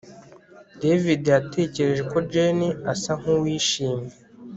David yatekereje ko Jane asa nkuwishimye